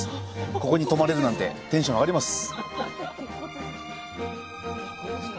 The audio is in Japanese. ここに泊まれるなんてテンション上がります！